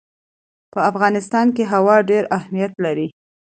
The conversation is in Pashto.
په افغانستان کې هوا ډېر اهمیت لري.